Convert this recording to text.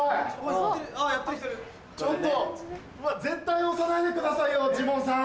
ちょっと絶対押さないでくださいよジモンさん。